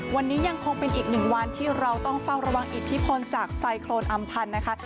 วันนี้ยังคงเป็นอีกหนึ่งวันที่เราต้องเฝ้าระวังอิทธิพลจากไซโครนอำพันธ์นะคะ